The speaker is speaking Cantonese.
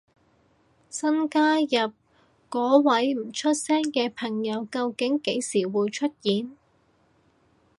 新加入嗰位唔出聲嘅朋友究竟幾時會出現？